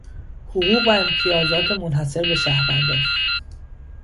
حقوق و امتیازات منحصر به شهروندان